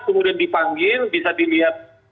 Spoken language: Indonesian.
kemudian dipanggil bisa dilihat